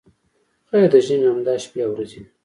خیر د ژمي همدا شپې او ورځې وې.